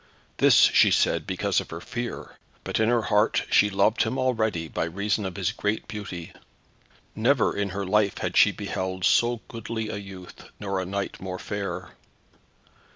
This she said because of her fear, but in her heart she loved him already by reason of his great beauty. Never in her life had she beheld so goodly a youth, nor a knight more fair.